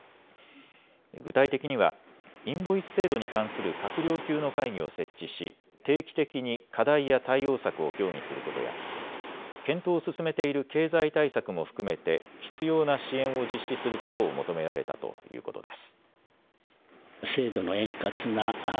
具体的にはインボイス制度に関する閣僚級の会議を設置し定期的に課題や対応策を協議することや検討を進めている経済対策も含めて必要な支援を実施することを求められたということです。